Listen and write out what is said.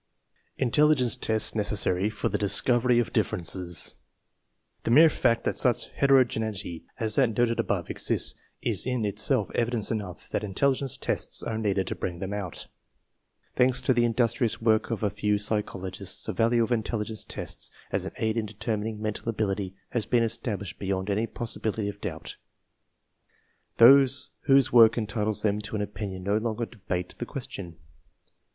INTELLIGENCE TESTS NECESSARY FOR THE DISCOVERY OF DIFFERENCES The mere fact that such heterogeneity as that noted above exists is in itself evidence enough that intelli gence tests are needed to bring them out. Thanks to the industrious work of a few psychologists, the value of intelligence tests as an aid in determining mental ability has been established beyond any possibility of doubt. Those whose work entitles them to an opinion no longer debate the question.